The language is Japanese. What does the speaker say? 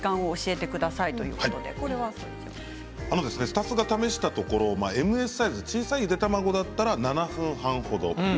スタッフが試したところＭＳサイズ、小さいゆで卵だったら７分半程。